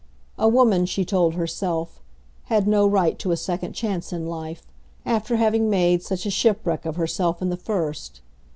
A woman, she told herself, had no right to a second chance in life, after having made such a shipwreck of herself in the first.